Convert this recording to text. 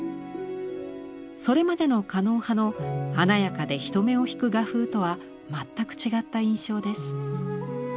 それまでの狩野派の華やかで人目を引く画風とは全く違った印象です。